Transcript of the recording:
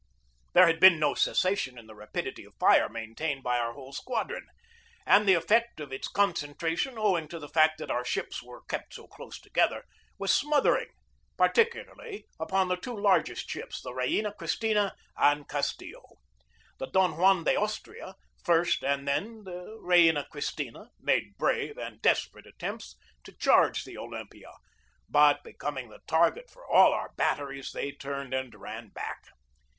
There had been no cessation in the rapidity of fire maintained by our whole squadron, and the ef fect of its concentration, owing to the fact that our ships were kept so close together, was smothering, particularly upon the two largest ships, the Reina Cristina and Castillo,. The Don Juan de Austria first and then the Reina Cristina made brave and desper ate attempts to charge the Olympia, but becoming the target for all our batteries they turned and ran back.